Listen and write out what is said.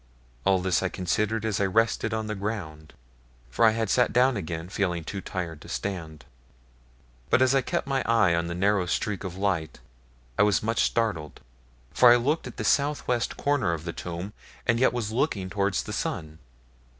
All this I considered as I rested on the ground, for I had sat down again, feeling too tired to stand. But as I kept my eye on the narrow streak of light I was much startled, for I looked at the south west corner of the tomb, and yet was looking towards the sun.